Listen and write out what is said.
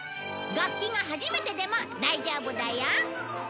楽器が初めてでも大丈夫だよ